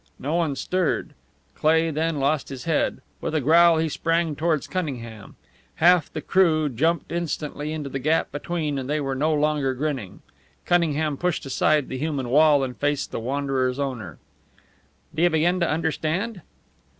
No one stirred. Cleigh then lost his head. With a growl he sprang toward Cunningham. Half the crew jumped instantly into the gap between, and they were no longer grinning. Cunningham pushed aside the human wall and faced the Wanderer's owner. "Do you begin to understand?"